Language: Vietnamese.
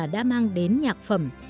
đã mang đến nhạc phẩm